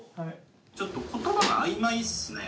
ちょっとことばがあいまいっすね。